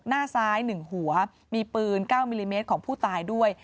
หน้าซ้าย๑หัวมีปืน๙มิลลิเมตรของผู้ตายด้วย